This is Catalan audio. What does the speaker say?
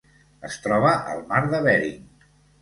Es troba al Mar de Bering.